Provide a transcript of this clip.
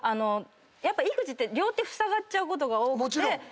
やっぱ育児って両手ふさがっちゃうことが多くて。